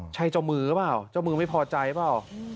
ใช่เจ้ามือหรือเปล่าเจ้ามือไม่พอใจเปล่า